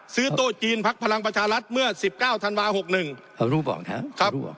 ซื้อโต๊ะจีนพักพลังประชารัฐเมื่อสิบเก้าธรรมดาหกหนึ่งเอารูปออกนะครับ